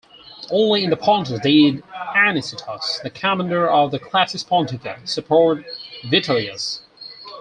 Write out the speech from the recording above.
Only in the Pontus did Anicetus, the commander of the "Classis Pontica", support Vitellius.